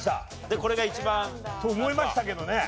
でこれが一番。と思いましたけどね。